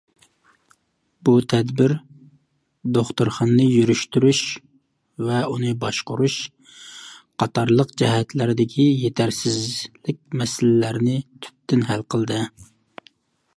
بۇ تەدبىر دوختۇرخانىنى يۈرۈشتۈرۈش ۋە ئۇنى باشقۇرۇش قاتارلىق جەھەتلەردىكى يېتەرسىزلىك مەسىلىلىرىنى تۈپتىن ھەل قىلدى.